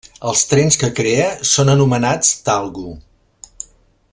Els trens que crea són anomenats Talgo.